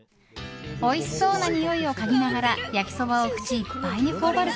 おいしそうなにおいをかぎながら焼きそばを口いっぱいに頬張る